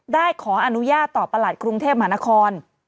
ได้ขออนุญาตต่อประหลัดกรุงเทพมหานคร